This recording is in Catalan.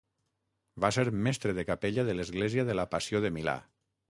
Va ser mestre de capella de l'església de la Passió de Milà.